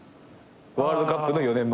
ワールドカップの４年前。